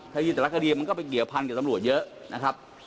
คดีแต่ละคดีมันก็ไปเกี่ยวพันกับตำรวจเยอะนะครับ